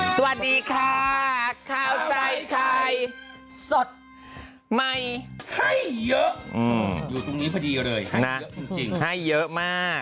สวัสดีค่ะข้าวใส่ไข่สดใหม่ให้เยอะอยู่ตรงนี้พอดีเลยนะเยอะจริงให้เยอะมาก